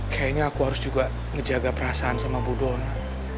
kayaknya aku harus juga ngejaga perasaan sama bu dona